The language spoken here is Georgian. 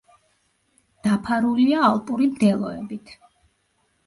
დაფარულია ალპური მდელოებით.